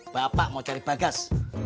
bapak mau cari bagas